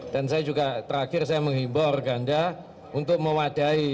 dan saya juga terakhir saya menghibur ganda untuk mewadahi